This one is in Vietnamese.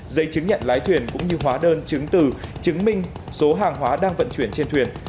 giấy chứng nhận lái thuyền cũng như hóa đơn chứng từ chứng minh số hàng hóa đang vận chuyển trên thuyền